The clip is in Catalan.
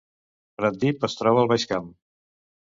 Pratdip es troba al Baix Camp